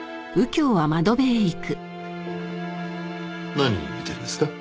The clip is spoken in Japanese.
何見てるんですか？